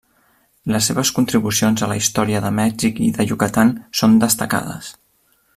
Les seves contribucions a la història de Mèxic i de Yucatán són destacades.